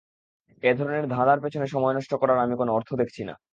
এ-ধরনের ধাঁধার পেছনে সময় নষ্ট করার আমি কোনো অর্থ দেখছি না।